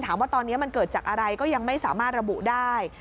ถามว่าตอนนี้มันเกิดจากอะไรก็ยังไม่สามารถระบุได้